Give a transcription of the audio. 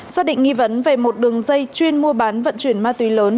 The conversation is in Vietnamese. xác định nghi vấn về một đường dây chuyên mua bán vận chuyển ma túy lớn